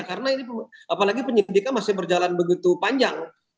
karena ini apalagi penyidikan masih berjalan begitu panjang